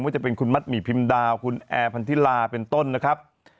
จะเป็นคุณมัดหมี่พิมดาวคุณแอร์พันธิลาเป็นต้นนะครับ